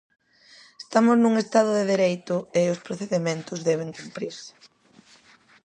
Estamos nun estado de dereito e os procedementos deben cumprirse.